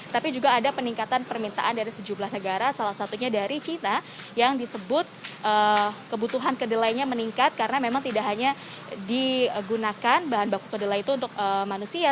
tapi juga ada peningkatan permintaan dari sejumlah negara salah satunya dari cina yang disebut kebutuhan kedelainya meningkat karena memang tidak hanya digunakan bahan baku kedelai itu untuk manusia